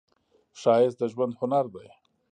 ښایست د ژوند هنر دی